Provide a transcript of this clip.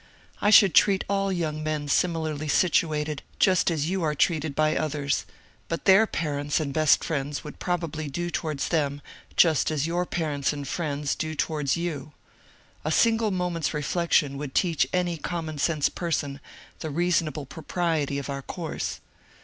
I should treat all young men similarly situated just as you are treated by others — but their parents and best friends would probably do towards them just as your parents and friends do towards you. A single moment's reflection would teach any common sense person the reasonable propriety of our course.